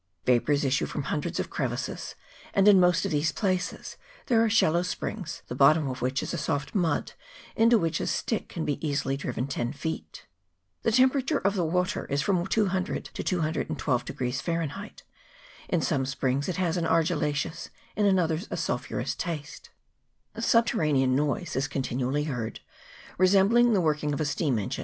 Va pours issue from hundreds of crevices, and in most of these places there are shallow springs, the bottom of which is a soft mud, into which a stick can be easily driven ten feet. The temperature of the water is from 200 to 212 Fahrenheit. In some springs it has an argillaceous, and in others a sul phurous taste. A subterranean noise is continually heard, resembling the working of a steam engine, 1 Carbonate of magnesia.